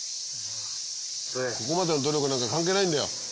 ここまでの努力なんか関係ないんだよ。